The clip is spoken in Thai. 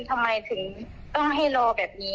ทำไมถึงต้องให้รอแบบนี้